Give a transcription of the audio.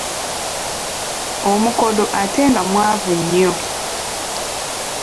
Omukodo ate nga mwavu nnyo.